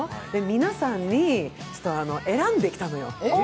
皆さんに選んできたのよ。